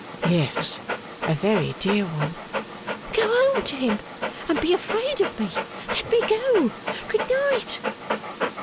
'Yes, a very dear one.' 'Go home to him, and be afraid of me. Let me go. Good night!